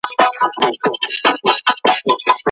ښه اړیکه د ښوونکي او زده کوونکي ترمنځ باور جوړوي.